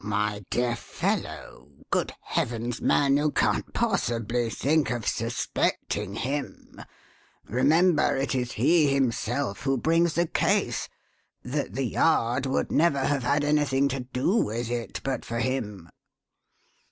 "Oh, my dear fellow! Good heavens, man, you can't possibly think of suspecting him. Remember, it is he himself who brings the case that the Yard would never have had anything to do with it but for him."